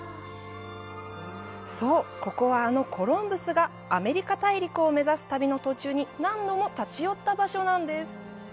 そう、ここは、あのコロンブスがアメリカ大陸を目指す旅の途中に何度も立ち寄った場所なんです。